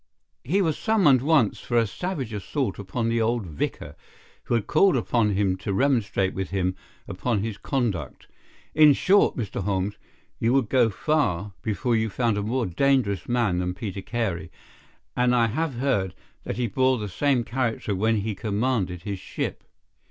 "He was summoned once for a savage assault upon the old vicar, who had called upon him to remonstrate with him upon his conduct. In short, Mr. Holmes, you would go far before you found a more dangerous man than Peter Carey, and I have heard that he bore the same character when he commanded his ship.